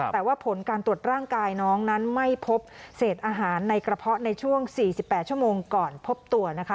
แต่ว่าผลการตรวจร่างกายน้องนั้นไม่พบเศษอาหารในกระเพาะในช่วง๔๘ชั่วโมงก่อนพบตัวนะคะ